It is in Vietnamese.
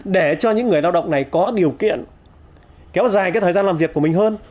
để cho những người lao động này có điều kiện kéo dài cái thời gian làm việc của mình hơn